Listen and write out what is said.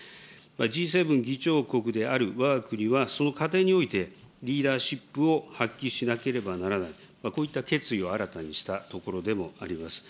Ｇ７議長国であるわが国はその過程において、リーダーシップを発揮しなければならない、こういった決意を新たにしたところでもあります。